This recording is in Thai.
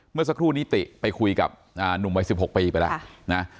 เมื่อสักครู่นิติไปคุยกับหนุ่มวัย๑๖ปีไปแล้วนะ